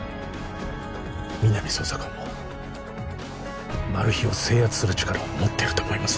皆実捜査官もマル被を制圧する力を持ってると思います